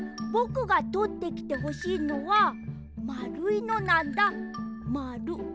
ぼくがとってきてほしいのはまるいのなんだまる。